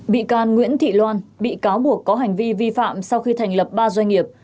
bị can nguyễn thị loan bị cáo buộc có hành vi vi phạm sau khi thành lập ba doanh nghiệp